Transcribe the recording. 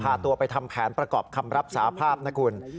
พาตัวไปทำแผนประกอบคำรับสาภาพนะคุณ